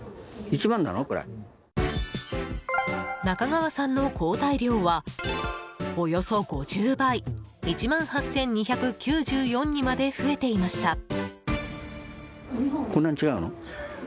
中川さんの抗体量はおよそ５０倍１万８２９４にまで増えていました。